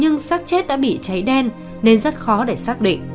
nhưng sắc chết đã bị cháy đen nên rất khó để xác định